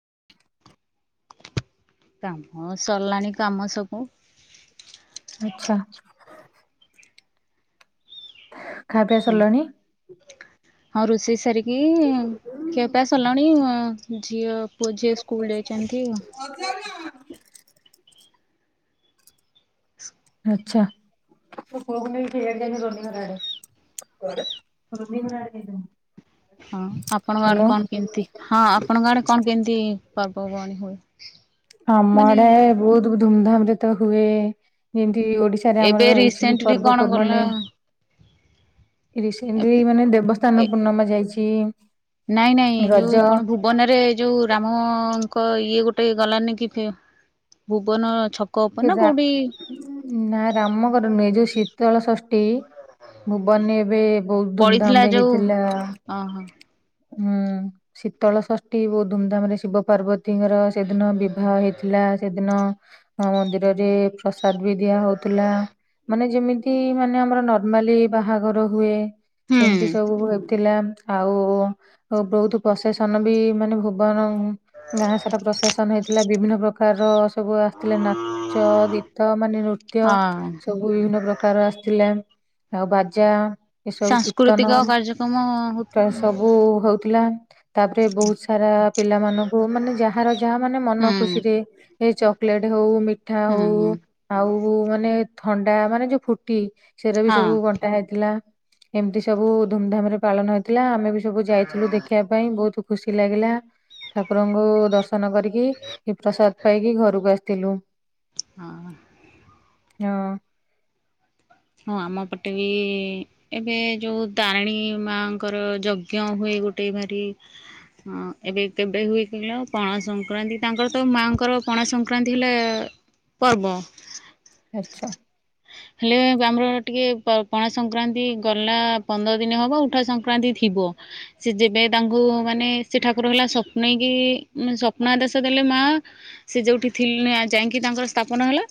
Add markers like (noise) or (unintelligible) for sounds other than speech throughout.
(unintelligible) କାମ ସରିଲାଣି କାମ ସବୁ ଆଚ୍ଛା। ଖା ପିଇଆ ସରିଲାଣି? ହଁ ରୋଷେଇ ସାରିକି ଖିଆ ପିଆ ସରିଲାଣି। ଝିଅ ପୁଅଝିଅ ସ୍କୁଲ ଯାଇଛନ୍ତି ଆଉ। ଆଚ୍ଛା । (inaudible) ହଁ ଆପଣଙ୍କ ଆଡେ କଣ କେମତି, ହଁ ଆପଣଙ୍କ ଆଡେ କଣ କେମିତି ପର୍ବପର୍ବାଣୀ ହୁଏ? ଆମ ମାନେ ଆଡେ ବହୁତ ଧୁମଧାମ ରେ ତ ହୁଏ। (unintelligible) ଓଡିଶାରେ ଏବେ ଆମର ହଉଛି ରିସେଣ୍ଟଲି କଣ ଗଲା ପର୍ବପର୍ବାଣୀ। ରିସେଣ୍ଟ ରେ ଏବେ ମାନେ ଏ ଦେବସ୍ନାନ ପୂର୍ଣ୍ଣମା ଯାଇଛି। ନାଇଁ ନାଇଁ ରଜ ଯୋଉ କଣ ଭୁବନରେ ଯୋଉ ରାମ କ ଇଏ ଗୋଟେଇ ଗଲାନି କି ଭୁବନ ଛ ଇଏ ରା ନା ରାମଙ୍କର ନୁହେଁ ଯୋଉ ଶୀତଳ ଷଷ୍ ଷ୍ଟି ଭୁବନ ରେ ଏବେ ବହୁତ ପଡିଥିଲା ଧୁମଧାମରେ ଯୋଉ ହେଇଥିଲା। ଓହୋ ହୁଁ। ଶୀତଳ ଷଷ୍ଠୀ ବହୁତ ଧୁମଧାମରେ, ଶିବ ପାର୍ବତୀଙ୍କର ସେଦିନ ବିବାହ ହେଇଥିଲା ସେଦିନ। (unintelligible) ମା ମନ୍ଦିରରେ ପ୍ରସାଦ ବି ଦିଆ ହଉଥିଲା। ମାନେ ଯେମିତି ମାନେ ଆମର ନର୍ମାଲି ବାହାଘର ହୁଏ। ହୁଁ ସେମିତି ସବୁ (unintelligible) ଥିଲା। ଆଉ ବହୁତ ପ୍ରଶାସନ ବି, ମାନେ ଭୁବନ ଗାଁ ସାରା ପ୍ରଶାସନ ହେଇଥିଲା, ବିଭିନ୍ନ ପ୍ରକାର ସବୁ ଆ ଥିଲେ ନାଚ ଗୀତ ମାନେ ନୃତ୍ୟ ହଁ ସବୁ ବିଭିନ୍ନ ପ୍ରକାର ଆସିଥି ଥିଲା ଆଉ ବାଜା ଏସବୁ କୀର୍ତ୍ତନ ସାଂସ୍କୃତିକ କାର୍ଯ୍ୟକ୍ରମ ହଉ ସବୁ ହଉଥିଲା, ତାପରେ ବହୁତ ସାରା ପିଲାମାନଙ୍କୁ ମାନେ ଯାହାର ଯାହା ମାନେ ମନ ଖୁସି ହୁଁ ରେ ଏ ଚକଲେଟ୍ ହଉ ମିଠା ହଉ, ହୁଁ ଆଉ ମାନେ ଥଣ୍ଡା ମାନେ ଯୋଉ ଫୁଟି ସେଇରା ବି ହଁ ସବୁ ବଣ୍ଟା ହେଇଥିଲା। ଏମିତି ସବୁ ଧୁମଧାମ ରେ ପାଳନ ହେଇଥିଲା, ଆମେ ବି ସବୁ ଯାଇଥିଲୁ ଦେଖିବା ପାଇଁ ବହୁତ ଖୁସି ଲାଗିଲା। ଠାକୁରଙ୍କୁ ଦର୍ଶନ କରିକି ପ୍ରସାଦ ପାଇକି ଘରକୁ ଆସିଥିଲୁ। ହଁ। ହଁ। ହଁ ଆମ ପଟେ ବି ଏବେ ଯୋଉ ତାରିଣୀ ମାଙ୍କର ଯଜ୍ଞ ହୁଏ ଗୋଟେ ଭାରି ହଁ ଏବେ କେବେ ହୁଏ କହିଲ ପଣା ସଂକ୍ରାନ୍ତି, ତାଙ୍କର ତ ମାଆଙ୍କର ପଣା ସଂକ୍ରାନ୍ତି ହେଲା ପର୍ବ। ଆଚ୍ଛା। ହେଲେ ଆମର ଟିକେ ପ ପଣା ସଂକ୍ରାନ୍ତି ଗଲା ପନ୍ଦର ଦିନ ହବ, ଉଠା ସଂକ୍ରାନ୍ତି ଥିବ ସେ ଯେବେ ତାଙ୍କୁ ମାନେ ସେ ଠାକୁର ହେଲା ସ୍ୱପ୍ନେଇକି ସ୍ୱପ୍ନ ଆଦେଶ ଦେଲେ ମା ସେ ଯୋଉଠି ଥିଲେ ଯାଇକି ତାଙ୍କର ସ୍ଥାପନ ହେଲା।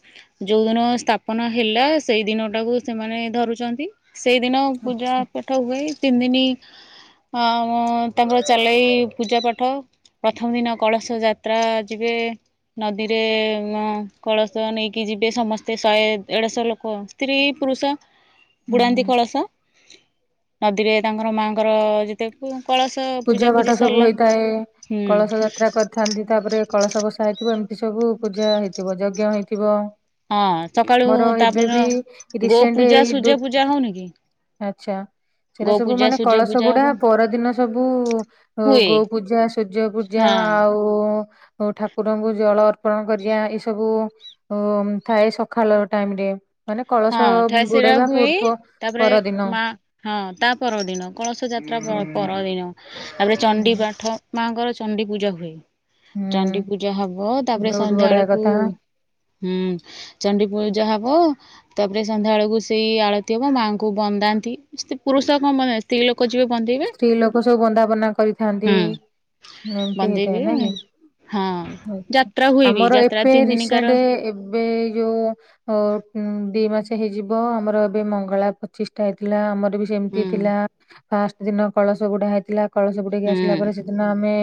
ଯୋଉଦିନ ସ୍ଥାପନ ହେଲା ସେଇ ଦିନ ସେଟାକୁ ସେମାନେ ଧରୁଛନ୍ତି। ସେଇଦିନ ପୂଜା ଆଚ୍ଛା ପାଠ ହୁଏ ତିନି ଦିନି ଆ ତାଙ୍କର ଚାଲେଇ ପୂଜା ପାଠ। ପ୍ରଥମ ଦିନ କଳସ ଯାତ୍ରା ଯିବେ ସେ ନଦୀରେ ମ କଳସ ନେଇକି ଯିବେ ସମସ୍ତେ ଶହେ ଦେଢଶହ ଲୋକ ସ୍ତ୍ରୀ, ପୁରୁଷ ହୁଁ। ବୁଡାନ୍ତି କଳସ। ନଦୀରେ ତାଙ୍କର ମାଆଙ୍କର ଯେତେ କୁ ପୂଜା ପାଠ ସବୁ ହେଇଥାଏ ହୁଁ ।କଳସ ଯାତ୍ରା କରିଥାନ୍ତି ।ତାପରେ କଳସ ବସା ହେଇଥିବ ଏମ ଏ ସବୁ ପୂଜା ହେଇଥିବ। ଯଜ୍ଞ ହେଇଥିବ ହଁ ସକାଳୁ ମୋର ଏବେ ତାପରେ ବି ଗୋ ରିସେଣ୍ଟ ପୂଜା ଏଇ ଦୁ ସୂର୍ଯ୍ୟ ପୂଜା ହଉନି କି ଆଚ୍ଛା, ସେଇଟା ଗୋ ସବୁ ପୂଜା ମାନେ ସୂର୍ଯ୍ୟ କଳସ ପୂଜା ହବ ବୁଡା ପରଦିନ ସବୁ ହୁଏ ଗୋ ପୂଜା ସୂର୍ଯ୍ୟ ପୂଜା ହଁ ଆଉ ଠାକୁରଙ୍କୁ ଯେ ଜଳ ଅର୍ପଣ କରିବା ଏଇ ସବୁ ଉ ଥାଏ ସକାଳ ଟାଇମ ରେ ମାନେ ହଁ, କଳସ ବୁଡେଇବା (unintelligible) ପୂର୍ବ ତାପରେ ପରଦିନ ମାଁ, ହଁ ତା ପରଦିନ କଳସ ଯାତ୍ରା ପ ଆଚ୍ଛା ପରଦିନ ତାପରେ ଚଣ୍ଡି ହୁଁ ପାଠ ମାଙ୍କର ଚଣ୍ଡି ପୂଜା ହୁଏ। ଚଣ୍ଡି ହୁଁ ପୂଜା ହବ ତାପରେ ବହୁତ ବଢିଆ ସନ୍ଧ୍ୟାବେଳକୁ କଥା। ହୁଁ, ଚଣ୍ଡି ପୂଜା ହବ ତାପରେ ସନ୍ଧ୍ୟା ବେଳକୁ ସେଇ ଆଳତି ହବ ମାଆଙ୍କୁ ବନ୍ଦାନ୍ତି ପୁରୁଷ କଣ ମାନେ ସ୍ତ୍ରୀ ଲୋକ ଯିବେ ବନ୍ଦେଇବେ ସ୍ତ୍ରୀ ଲୋକ ସବୁ ବନ୍ଦାପନା କରିଥାନ୍ତି। ହୁଁ ଏମିତି ହେଇଥାଏ ବନ୍ଦେଇବେ ନା କି ହଁ ଆଚ୍ଛା, ଯାତ୍ରା ହୁଏ ବି ଆମର ଯାତ୍ରା ଏବେ ତିନି ଦିନିକାର ରିସେଣ୍ଟ ଏବେ ଯୋଉ ଅ ହୁଁ, ଦି ମାସ ହେଇଯିବ ଆମର ଏବେ ମଙ୍ଗଳା ପଚିଶଟା ହେଇଥିଲା ଆମର ବି ସେମିତି ହୁଁ ଥିଲା ଆ ସେଦିନ କଳସ ବୁଡା ହେଇଥିଲା। କଳସ ବୁଡେଇକି ହୁଁ ଆସିଲା ପରେ ସେଦିନ ଆମେ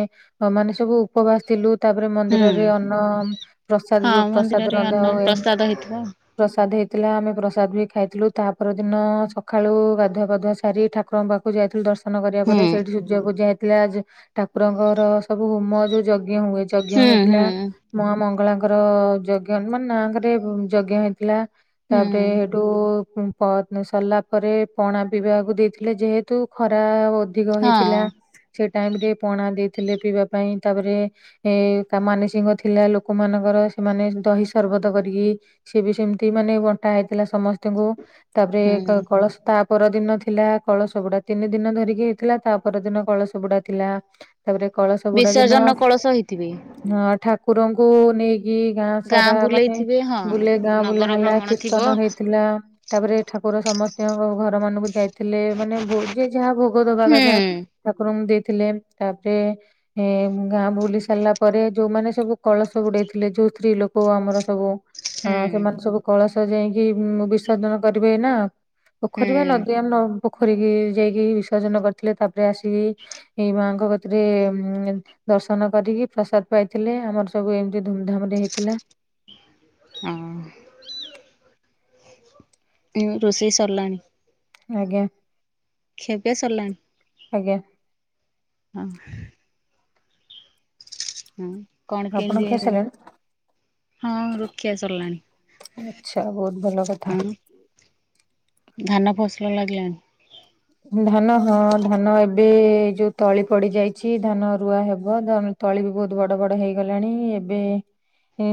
ମାନେ ସବୁ ଉପବାସ ଥିଲୁ ତାପରେ ହୁଁ ମନ୍ଦିରରେ ଅନ୍ନ ପ୍ରସାଦ ହଁ ଯୋଉ ପ୍ରସାଦ ମନ୍ଦିରରେ ରନ୍ଧା ଅନ୍ନ ହୁଏ ପ୍ରସାଦ ହେଇଥିବ ପ୍ରସାଦ ହେଇ ଥିଲା ଆମେ ପ୍ରସାଦ ବି ଖାଇଥିଲୁ ।ତା ପର ଦିନ ସକାଳୁ ଗାଧୁଆ ପାଧୁଆ ସାରି ଠାକୁରଙ୍କ ପାଖକୁ ଯାଇଥିଲ ଦର୍ଶନ କରିବା ପରେ ହୁଁ। ସେଇଠି ସୂର୍ଯ୍ୟ ପୂଜା ହେଇଥିଲା। ଠାକୁରଙ୍କର ସବୁ ହୋମ ଯୋଉ ଯ ହୁଏ ଯଜ୍ଞ ହୁଁ ହୁଁ ହେଇଥିଲା। ମା ମଙ୍ଗଳାଙ୍କ ତାଙ୍କର ଯଜ୍ଞ ମାନେ ନାଙ୍କରେ ଯଜ୍ଞ ହେଇଥିଲା। ହୁଁ ତାପରେ ହେଠୁ ପହରଦିନ ସରିଲା ପରେ ପଣା ପିିବାକୁ ଦେଇଥିଲେ ଯେହେତୁ ଖରା ଅଧିକ ହଁ ହେଇଥିଲା ।ସେ ଟାଇମ ରେ ପଣା ଦେଇଥିଲେ ପିଇବା ପାଇଁ। ତାପରେ ଏ ତା ମାନସିକ ଥିଲା ଲୋକମାନଙ୍କର ସେମାନେ ଦହି ସରବତ କରିକି ସିଏ ବି ସେମିତି ମାନେ ବଣ୍ଟା ହେଇଥିଲା ସମସ୍ତିଙ୍କୁ। ତାପରେ ହୁଁ କ କଳସ ତା ପରଦିନ ଥିଲା କଳସ ବୁଡ଼ା ତିନି ଦିନ ଧରିକି ହେଇଥିଲା ତା ପର ଦିନ କଳସ ବୁଡା ଥିଲା। ତାପରେ କଳସ ବୁଡା ଦିନ, ବିସର୍ଜନ କଳସ ହେଇଥିବେ। ହଁ ଠାକୁରଙ୍କୁ ନେଇ କି ଗାଁ ସାରା ମାନେ ବୁଲେଇଥିବେ ହଁ ବୁଲେ ଗାଁ ବୁଲା ନଗର ହେଲା ଭ୍ରମଣ ଥିବ କିର୍ତ୍ତନ ହେଇଥିଲା। ତାପରେ ଠାକୁର ସମସ୍ତିଙ୍କ ଘର ମାନଙ୍କୁ ଯାଇଥିଲେ ମାନେ ଭୋ ଯିଏ ଯାହା ଭୋଗ ଦବା ହୁଁ କଥା ଠାକୁରଙ୍କୁ ଦେଇ ଥିଲେ ତାପରେ ଗାଁ ବୁଲି ସାରିଲା ପରେ ଯୋଉମାନେ ସବୁ କଳସ ବୁଡେଇଥିଲେ ଯୋଉ ସ୍ତ୍ରୀ ଲୋକ ଆମର ସବୁ ହଁ, ହୁଁ ସେମାନେ ସବୁ କଳସ ଯାଇକି ବିସର୍ଜନ କରିବେ ନା ପୋଖରୀ ବା ହୁଁ ନଦୀ ଆମ ପୋଖରୀ କି ଯାଇକି ବିସର୍ଜନ କରିଥିଲେ ।ତାପରେ ଆସିକି ଏଇ ମାଙ୍କ କତିରେ ଉ ଦର୍ଶନ କରିକି କି ପ୍ରସାଦ ପାଇଥିଲେ ଆମର ସବୁ ଏମତି ଧୁମଧାମ ରେ ହେଇଥିଲା। ହଁ ରୋଷେଇ ସରିଲାଣି। ଆଜ୍ଞା। ଖିଆ ପିଆ ସାରିଲାଣି ଆଜ୍ଞା। ହଁ। ହୁଁ କଣ ଆପଣ କେମିତି? ଖାଇସାରିଲେଣି ହଁ ରୁକ୍ଷିବା ସରିଲାଣି ଆଚ୍ଛା ବହୁତ ଭଲ କଥା ଉଁ? ଧାନ ଫସଲ ଲାଗିଲାଣି? ଧାନ ହଁ ଧାନ ଏବେ ଯୋଉ ତଳି ପଡି ଯାଇଛି ଧାନ ରୁଆ ହେବ ତଳି ବି ବହୁତ ବଡ ବଡ ହେଇଗଲାଣି ଏବେ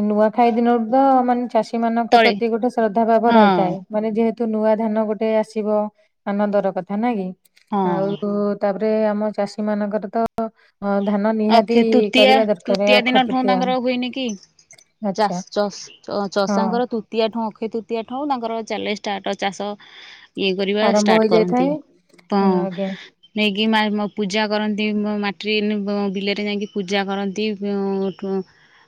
ନୂଆଖାଇଦିନରୁ ତ ମାନେ ଚାଷୀ ମାନଙ୍କ ତଳି ପ୍ରତି ଗୋଟେ ଶ୍ରଦ୍ଧାଭାବ ହଁ ରହିଥାଏ ମାନେ ଯେହେତୁ ନୂଆ ଧାନ ଗୋଟେ ଆସିବ ଆନନ୍ଦର କଥା ନ କି ହଁ ଆଉ ତାପରେ ଆମ ଚାଷୀ ମାନଙ୍କର ତ ଅ ଧାନ ନିହାତି ଅକ୍ଷେ ତୃତୀୟା କରିବା ଦରକାର ତୃତୀୟା ଅକ୍ଷୟ ଦିନ ଠୁ ତୃତୀୟା ତାଙ୍କର ହୁଏନି କି? ଚା ଆଚ୍ଛା ହଁ ଚଷାଙ୍କର ତୁତୀଆ ଠୁ ଏ ତୃତୀୟାଠୁ ତାଙ୍କର ଚାଲେ ଷ୍ଟାରଟ ଚାଷ। ଇଏ କରିବା ଆରମ୍ଭ ଷ୍ଟାର୍ଟ କରନ୍ତି ହୋଇଯାଇଥାଏ। ତ ହଁ ଆଜ୍ଞା ନେଇକି ପୂଜା କରନ୍ତି ମାଟି ବିଲରେ ଯାଇକି ପୂଜା କରନ୍ତି।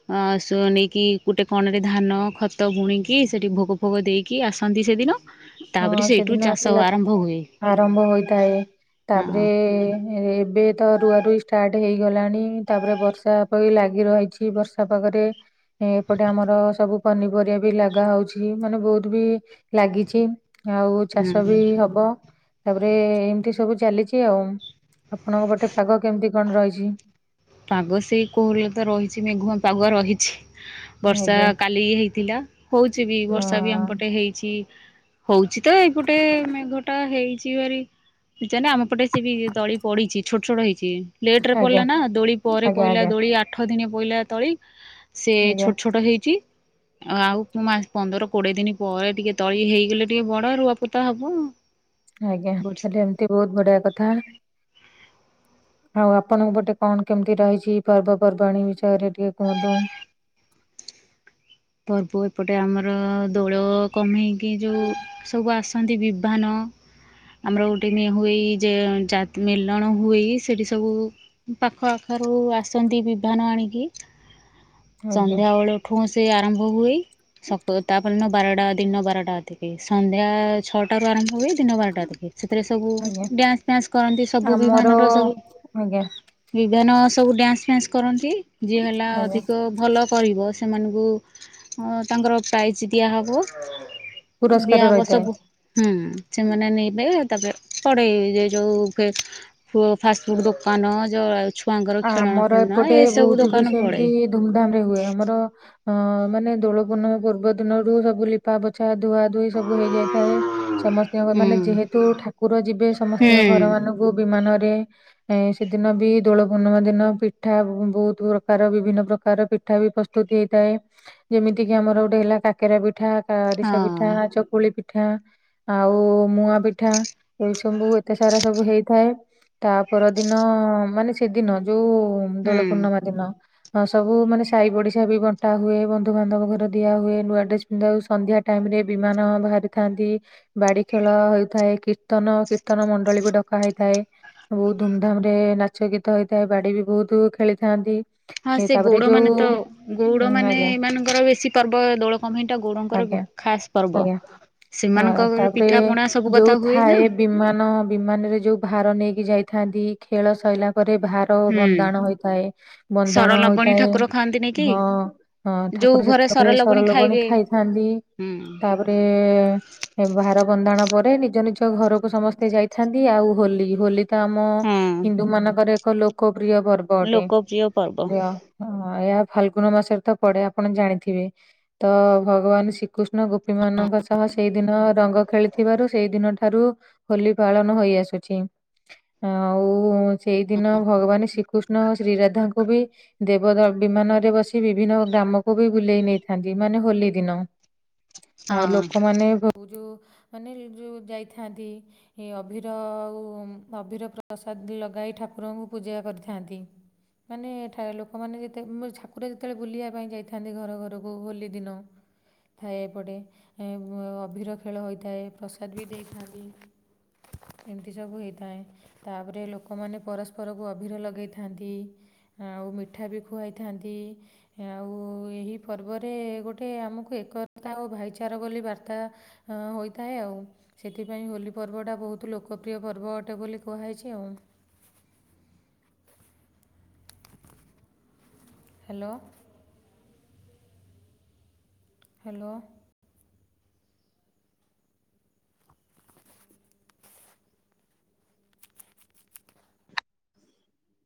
ଅ ନେଇକି ଗୋଟେ କଣରେ ଧାନ ଖତ ବୁଣିକି ସେଠି ଭୋଗ ଫୋଗ ଦେଇକି ଆସନ୍ତି ସେଦିନ। ତାପରେ ହଁ ସେଇଠୁ ସେଦିନ ଚାଷ ଆସିଲା ଆରମ୍ଭ ହୁଏ ଆରମ୍ଭ ହୋଇଥାଏ ହଁ ତାପରେ ଏବେ ତ ରୁଆ ରୁଇ ଷ୍ଟାର୍ଟ ହେଇଗଲାଣି ତାପରେ ବର୍ଷା ପ ଲାଗି ରହିଛି ବର୍ଷା ପାଗ ଏପଟେ ଆମର ସବୁ ପନିପରିବା ବି ଲାଗା ହଉଛି ମାନେ ବହୁତ ବି ଲାଗି ଆଉ ଚାଷ ହୁଁ ବି ହବ। ତାପରେ ଏମିତି ସବୁ ଚାଲିଛି ଆଉ ଆପଣଙ୍କ ପଟେ ପାଗ କେମିତି କଣ ରହିଛି? ପାଗ ସେଇ କୋହଲ ତ ରହିଛି ମେଘୁଆ ପାଗ ରହିଛି। ବର୍ଷା ଆଜ୍ଞା କାଲି ହେଇଥିଲା ହଉଛି ବି ହଁ ବର୍ଷା ବି ଆମ ପଟେ ହେଇଛି। ହଉଛି ତ ଏପଟେ ମେଘଟା ହେଇଛି ହେରି। ଜେ ଆମ ପଟେ ସେ ବି ଦଳି ପଡିଛି ଛୋଟ ଛୋଟ ହେଇଛି। ଲେଟ ରେ ପଡିଲା ଆଜ୍ଞା ନା ଦୋଳି ପରେ ଆଜ୍ଞା ପହିଲା ଆଜ୍ଞା ଦୋଳି ଆଠ ଦିନ ପଇଲା ତଳି। ସେ ଆଜ୍ଞା ଛୋଟ ଛୋଟ ହେଇଛି। ଆଉ ମା ପନ୍ଦର କୋଡିଏ ଦିନ ପରେ ଟିକେ ତଳି ହେଇଗଲେ ଟିକେ ବଡ ରୁଆପୋତା ହବ। ଆଜ୍ଞା ତାହେଲେ ଏମତି ବହୁତ ବଢିଆ କଥା। ଆଉ ଆପଣଙ୍କ ପଟେ କଣ କେମିତି ରହିଛି ପର୍ବପର୍ବାଣୀ ବିଷୟରେ ଟିକେ କୁହନ୍ତୁ। (inaudible) ପର୍ବ ଏପଟେ ଆମର ଦୋଳ କମେଇକି ଯୋଉ ସବୁ ଆସନ୍ତି ବିଭାନ। ହଁ। ଆମର ଗୋଟେ ହୁଏ ଯେ ମିଲଣ ହୁଏ ସେଠି ସବୁ ପାଖ ଆଖ ଆସନ୍ତି ବିଭାନ ଆଣିକି ଆଜ୍ଞା। ସଧ୍ୟାବେଳଠୁ ଆରମ୍ଭ ହୁଏ। ତାପର ଦିନ ବାରଟା ଦିନ ବାରଟା ଅତିକି ସନ୍ଧ୍ୟା ଛଅଟାରୁୁ ଆରମ୍ଭ ହୁଏ। ଦିନ ବାରଟା ଟକ ସେଥିରେ ସବୁ ଆଜ୍ଞା ଡ୍ୟାନ୍ସ ଫନ୍ସ କରନ୍ତି ସବୁ ଆମର ବିମାନର ସବୁ ଆଜ୍ଞା ବିଭାନ ସବୁ ଡ୍ୟାନ୍ସ ଫ୍ୟାନ୍ସ କରନ୍ତି ଯିଏ ହେଲା ଆଜ୍ଞା ଅଧିକ ଭଲ କରିବ ସେମାନଙ୍କୁ ତାଙ୍କର ପ୍ରାଇଜ୍ ଦିଆହବ। ଦିଆ ପୁରସ୍କାର ହବ ରହିଥାଏ। ସବୁ ହୁଁ ସେମାନେ ନେବେ ତାପରେ ପଡ଼େଇ ଯେ ଯେଉଁ ଫାଷ୍ଟଫୁଡ଼୍ ଦୋକାନ ଯେଉଁ ଆମର ଏପଟେ ବହୁତ ବି ପଡ଼େ। ସେମିତି ଧୁମଧାମ ରେ ହୁଏ ଆମର ହଁ ମାନେ ଦୋଳ ପୂର୍ଣ୍ଣିମା ପର୍ବ ଦିନରୁ ସବୁ ଲିପା ପୋଛା ଧୁଆ ଦୁହି ସବୁ ହେଇ ଯାଇଥାଏ ସମସ୍ତଙ୍କ ହୁଁ ମାନେ ଯେହେତୁ ଠାକୁର ଯିବେ ସମସ୍ତଙ୍କ ହୁଁ ଘର ମାନଙ୍କୁ ବିମାନରେ ସେଦିନ ବି ଦୋଳ ପୂର୍ଣ୍ଣିମା ଦିନ ପିଠା ବହୁତ ପ୍ରକାର ବିଭିନ୍ନ ପ୍ରକାର ପିଠା ବି ପ୍ରସ୍ତୁତ ହେଇଥାଏ ଯେମିତି ତିକି ଆମର ଗୋଟେ ହେଲା କାକେରା ପିଠା, ଆରିସା ପିଠା, ହଁ ଚକୁଳି ପିଠା ପିଠା ଆଉ ମୁଆ ପିଠା ଏ ସବୁ ଏତେ ସାରା ସବୁ ହେଇଥାଏ। ତା ପରଦିନ ମାନେ ସେଦିନ ଯୋଉ ହୁଁ ଦୋଳ ପୂର୍ଣ୍ଣିମା ଦିନ ହଁ ସବୁ ମାନେ ସାହି ପଡିଶା ବି ବଣ୍ଟା ହୁଏ। ବନ୍ଧୁବାନ୍ଧବ ଘର ଦିଆ ହୁଏ। ନୂଆ ଡ୍ରେସ୍ ଆଉ ପିନ୍ଧା ସନ୍ଧ୍ୟା ଟାଇମ୍ ରେ ବିମାନ ବାହାରିଥାନ୍ତି। ବାଡି ଖେଳ ହେଉଥାଏ ।କୀର୍ତ୍ତନ କୀର୍ତ୍ତନ ମଣ୍ଡଳୀକୁ ଡକା ହେଇ ଥାଏ। ବହୁତ ଧୁମଧାମ୍ ରେ ନାଚ ଗୀତ ହେଇଥାଏ। ବାଡି ବି ବହୁତ ଖେଳିଥାନ୍ତି। ହଁ ଏ ସେ ତାପରେ ଗଉଡ ମାନେ ଯୋଉ ତ ଗଉଡ ଉଁ ମାନେ ଆଜ୍ଞା ଏ ମାନଙ୍କର ବେଶୀ ପର୍ବ ଦୋଳ କଣ ପାଇଁ ହେଟା ଗଉଡଙ୍କର ଉ, ଖାସ୍ ପର୍ବ। ହୋ ସେମାନଙ୍କର ତାପରେ ପିଠା ପଣା ସବୁ କଥା ଯୋଉ ହୁଏ ନା ଥାଏ ବିମାନ ବିମାନରେ ଯୋଉ ଭାର ନେଇ ଯାଇଥାନ୍ତି ଖେଳ ସଇଲା ପରେ ଭାର ହୁଁ। ବନ୍ଦାଣ ହୋଇଥାଏ ।ବନ୍ଦାଣ ସରଲବଣୀ ହୋଇଥାଏ। ଠାକୁର ଖାଆନ୍ତିନି କି ହଁ, ହଁ। ଯୋଉ ଠାକୁର ଘରେ ସେତେବେଳେ ସର ସରଲବଣୀ ଲବଣୀ ଖାଇବେ ଖାଇଥାନ୍ତି। ହୁଁ ତାପରେ ଏ ଭାର ବନ୍ଦାଣ ପରେ ନିଜ ନିଜ ଘରକୁ ସମସ୍ତେ ଯାଇଥାନ୍ତି। ଆଉ ହୋଲି ହୋଲି ତ ଆମ ହଁ ହିନ୍ଦୁ ମାନ ତାଙ୍କର ଏକ ଲୋକପ୍ରିୟ ପର୍ବ ଅଟେ। ଲୋକପ୍ରିୟ ପର୍ବ ପ୍ରିୟ ହଁ ଏହା ଫାଲଗୁନ ମାସରେ ତ ପଡେ। ଆପଣ ଜାଣିଥିବେ ତ ଭଗବାନ ଶି କୃଷ୍ଣ ଗୋପୀ ମାନଙ୍କ ସହ ସେଇ ଦିନ ରଙ୍ଗ ଖେଳିଥିବାରୁ ସେଇ ଦିନ ଠାରୁ ହୋଲି ପାଳନ ହୋଇ ଆସୁଛି। ଆଉ ସେଇଦିନ ଭଗବାନ ଶ୍ରୀକୃଷ୍ଣ ଓ ଶ୍ରୀ ରାଧାଙ୍କୁ ବି ଦେବଦ ବିମାନରେ ବସି ବିଭିନ୍ନ ଗ୍ରା ଆମକୁ ବି ବୁଲେଇ ନେଇଥାନ୍ତି ମାନେ ହୋଲି ଦିନ। ଆଉ ହଁ। ଲୋକମାନେ (unintelligible) ଯୋଉ ମାନେ ଯୋଉ ଯାଇଥାନ୍ତି ଏ ଅଭିର ଆଉ ଅଭିର ପ୍ରସାଦ ବି ଲଗାଇ ଠାକୁରଙ୍କୁ ପୂଜା କରିଥାନ୍ତି। ମାନେ ଏଠାରେ ଲୋକମାନେ ଯେତେ ମୋର ଛାକୁର ଯେତେବେଳେ ବୁଲିବା ପାଇଁ ଯାଇଥାନ୍ତି ଘର ଘରକୁ ହୋଲି ଦିନ। ଥାଏ ଏପଟେ ଏଁ, ଅ, ଅଭିିର ଖେଳ ହୋଇଥାଏ। ପ୍ରସାଦ ବି ଦେଇଥାନ୍ତି। ଏମିତି ସବୁ ହେଇଥାଏ। ତାପରେ ଲୋକମାନେ ପରସ୍ପରକୁ ଅଭିର ଲଗେଇଥାନ୍ତି। ଆଉ ମିଠା ବି ଖୁଆଇଥାନ୍ତି। ଆଉ ଓ ଏହି ପର୍ବରେ ଗୋଟେ ଆମକୁ ଏକତା ଓ ଭାଇଚାରା ବୋଲି ବାର୍ତ୍ତା ଅ, ହୋଇଥାଏ। ଥାଏ ଆଉ। ସେଥିପାଇଁ ହୋଲି ପର୍ବଟା ବହୁତ ଲୋକପ୍ରିୟ ପର୍ବ ଅଟେ ବୋଲି କୁହାହେଇଛି ଆଉ। ହ୍ୟାଲୋ। ହ୍ୟାଲୋ।